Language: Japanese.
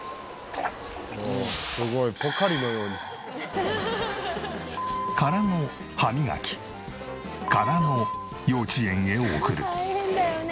すごいポカリのように。からの歯磨き。からの幼稚園へ送る。